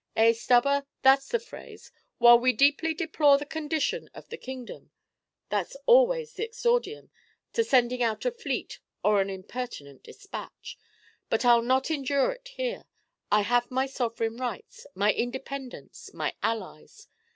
Eh, Stubber, that's the phrase: 'While we deeply deplore the condition of the kingdom,' that's always the exordium to sending out a fleet or an impertinent despatch. But I'll not endure it here. I have my sovereign rights, my independence, my allies.